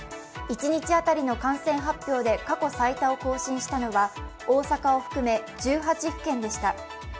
一日当たりの感染発表で過去最多を更新したのは大阪を含め１８府県でした。